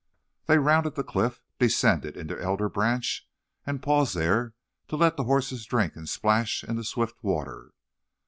They rounded the cliff, descended into Elder Branch, and paused there to let the horses drink and splash in the swift water.